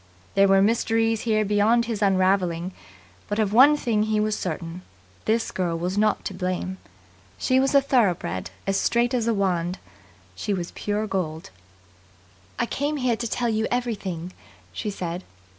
There were mysteries here beyond his unravelling, but of one thing he was certain: this girl was not to blame. She was a thoroughbred, as straight as a wand. She was pure gold. "I came here to tell you everything," she said.